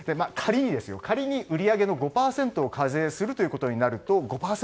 仮に売り上げの５％を課税するということになると５％